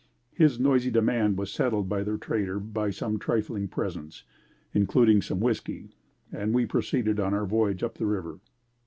His noisy demand was settled by the trader by some trifling presents, including some whiskey and we proceeded on our voyage up the river.